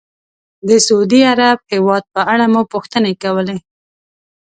د سعودي عرب هېواد په اړه مو پوښتنې کولې.